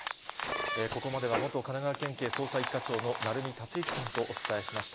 ここまでは、元神奈川県警捜査一課長の鳴海達之さんとお伝えしました。